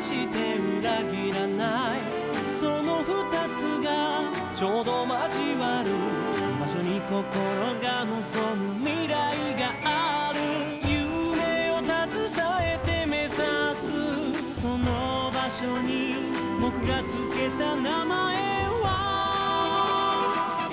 その二つがちょうど交わる場所に心が望む未来がある夢を携えて目指すその場所に僕がつけた名前は「約束の場所」